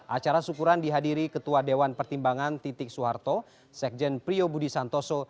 acara syukuran dihadiri ketua dewan pertimbangan titik soeharto sekjen prio budi santoso